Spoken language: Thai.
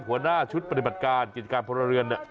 หัวหน้าชุดปฏิบัติการกิจการพลเรือนเนี่ย